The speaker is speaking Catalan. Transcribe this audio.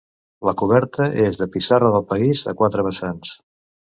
La coberta és de pissarra del país a quatre vessants.